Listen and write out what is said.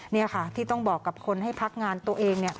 นี่ค่ะที่ต้องบอกกับคนให้พักงานตัวเอง